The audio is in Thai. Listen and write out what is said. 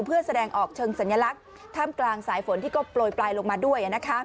เพื่อแสดงออกเชิงสัญลักษณ์ท่ามกลางสายฝนที่ก็โปรยปลายลงมาด้วย